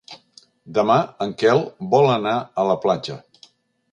Demà en Quel vol anar a la platja.